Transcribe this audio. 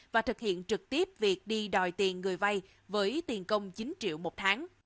và thực hiện trực tiếp việc đi đòi tiền người vay với tiền công chín triệu một tháng